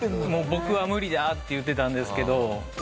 僕は「無理だ」って言ってたんですけど。